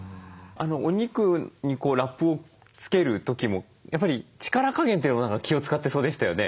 お肉にラップをつける時もやっぱり力加減というのも何か気を遣ってそうでしたよね？